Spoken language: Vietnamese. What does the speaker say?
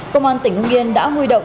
công an tỉnh hưng yên đã huy động